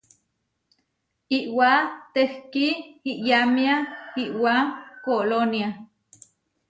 Iʼwá tehkí iyámia iʼwá Kolónia.